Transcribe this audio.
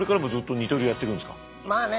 まあね